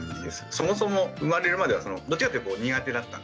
そもそも生まれるまではどっちかというと苦手だったんですけど。